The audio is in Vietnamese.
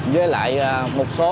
với lại một số